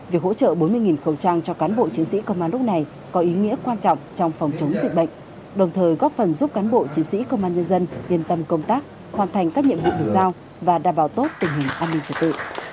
việc hỗ trợ bốn mươi khẩu trang cho cán bộ chiến sĩ công an lúc này có ý nghĩa quan trọng trong phòng chống dịch bệnh đồng thời góp phần giúp cán bộ chiến sĩ công an nhân dân yên tâm công tác hoàn thành các nhiệm vụ được giao và đảm bảo tốt tình hình an ninh trật tự